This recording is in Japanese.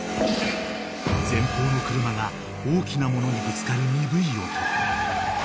［前方の車が大きなものにぶつかる鈍い音］